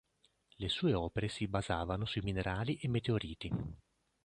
Le sue opere si basavano sui minerali e meteoriti.